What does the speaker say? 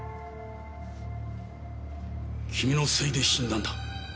君のせいで死んだんだ。